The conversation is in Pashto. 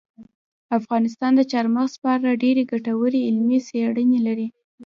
افغانستان د چار مغز په اړه ډېرې ګټورې علمي څېړنې لري.